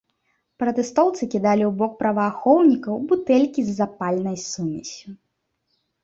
Пратэстоўцы кідалі ў бок праваахоўнікаў бутэлькі з запальнай сумессю.